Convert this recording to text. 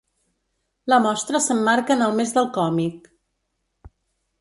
La mostra s’emmarca en el mes del còmic.